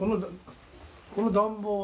「この暖房は？」